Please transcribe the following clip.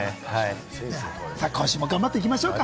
今週も頑張っていきましょうか。